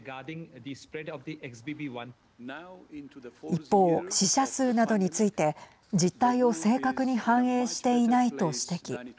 一方、死者数などについて実態を正確に反映していないと指摘。